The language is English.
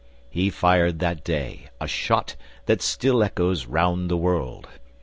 He fired that day a shot that still echoes round the world.